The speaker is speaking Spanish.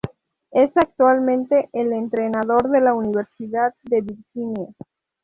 Es actualmente el entrenador de la Universidad de Virginia.